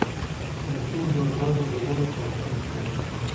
د تورو مرغانو ږغونه خواشیني ښکاري.